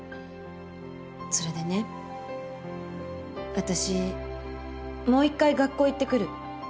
それでね私もう一回学校行ってくる。